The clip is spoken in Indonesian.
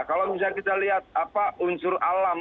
kalau misalnya kita lihat unsur alam